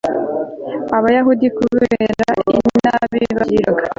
abayahudi kubera inabi bagirirwaga